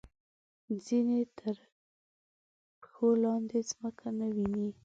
ځینې تر پښو لاندې ځمکه نه ویني.